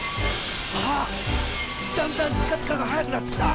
ああっだんだんチカチカが速くなってきた。